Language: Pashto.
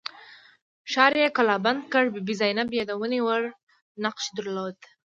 ښار یې کلابند کړ بي بي زینب یادونې وړ نقش درلود.